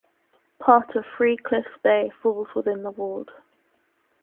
Part of Three Cliffs Bay falls within the ward.